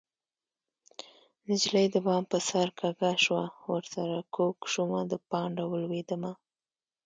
نجلۍ د بام په سر کږه شوه ورسره کوږ شومه د پانډه ولوېدمه